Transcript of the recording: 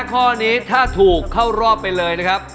ข้อนี้ถ้าถูกเข้ารอบไปเลยนะครับ